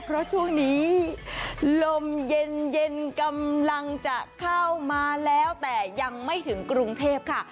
เพราะช่วงนี้ลมเย็นกำลังจะเข้ามาแล้วแต่ยังไม่ถึงกรุงเทพค่ะ